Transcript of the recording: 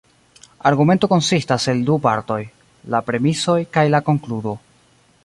Argumento konsistas el du partoj: la premisoj kaj la konkludo.